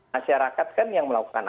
masyarakat kan yang melakukan